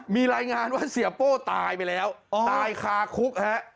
มีรายงานว่าเสียโป้ตายไปแล้วตายคาคุกฮะ